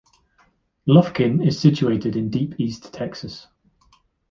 Lufkin is situated in Deep East Texas.